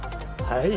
はい